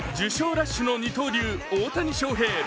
ラッシュの二刀流・大谷翔平。